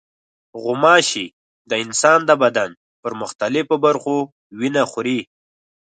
غوماشې د انسان د بدن پر مختلفو برخو وینه خوري.